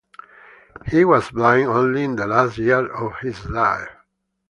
He was blind only in the last years of his life.